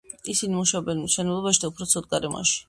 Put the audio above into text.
ისინი მუშაობენ მშენებლობაში და უფრო ცუდ გარემოში.